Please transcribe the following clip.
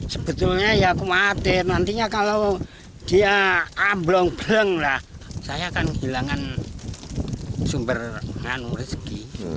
sebetulnya ya aku khawatir nantinya kalau dia ablong belong lah saya akan hilangkan sumber lahan rezeki